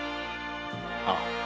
ああ。